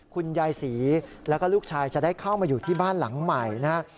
คุณยายศรีแล้วก็ลูกชายจะได้เข้ามาอยู่ที่บ้านหลังใหม่นะฮะ